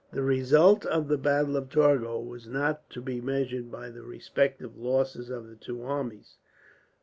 The result of the battle of Torgau was not to be measured by the respective losses of the two armies.